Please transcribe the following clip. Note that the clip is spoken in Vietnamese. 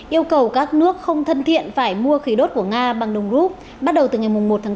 yêu cầu các nước không thân thiện phải mua khí đốt của nga bằng đồng rút bắt đầu từ ngày một tháng bốn